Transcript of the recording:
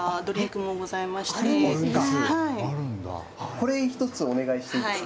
これ１つお願いしていいですか。